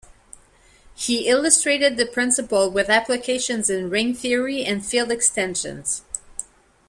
He illustrated the principle with applications in ring theory and field extensions.